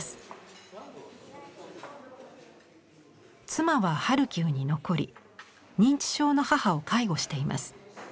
妻はハルキウに残り認知症の母を介護しています。